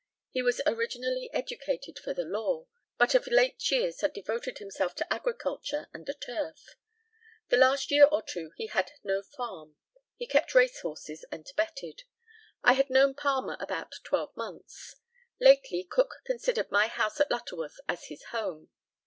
He was originally educated for the law, but of late years had devoted himself to agriculture and the turf. The last year or two he had no farm. He kept race horses and betted. I had known Palmer about twelve months. Lately Cook considered my house at Lutterworth as his home.